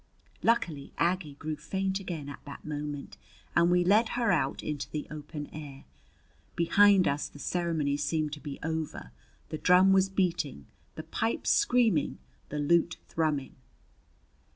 Luckily Aggie grew faint again at that moment, and we led her out into the open air. Behind us the ceremony seemed to be over; the drum was beating, the pipes screaming, the lute thrumming.